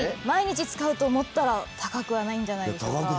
毎日使うと思ったら高くはないんじゃないでしょうか。